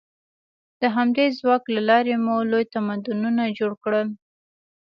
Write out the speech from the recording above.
د همدې ځواک له لارې مو لوی تمدنونه جوړ کړل.